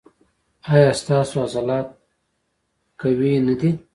ایا ستاسو عضلات قوي نه دي؟